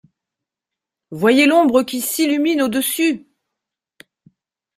Voyez l’ombre qui s’illumine au-dessus!